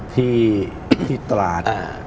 ที่ตราศน์